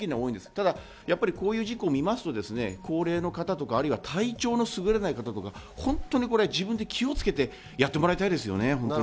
ただこういう事故を見ますと高齢の方とか体調がすぐれない方、自分で気をつけてやってもらいたいですよね、本当に。